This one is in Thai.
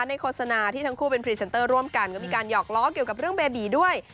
โฆษณาที่ทั้งคู่เป็นพรีเซนเตอร์ร่วมกันก็มีการหอกล้อเกี่ยวกับเรื่องเบบีด้วย